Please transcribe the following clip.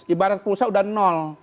ibarat pulsa sudah nol